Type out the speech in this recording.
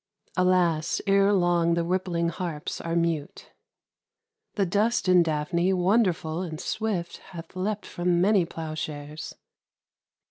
Alas! ere long the rippling harps are mute! The dust in Daphne wonderful and swift Hath leapt from many ploughshares.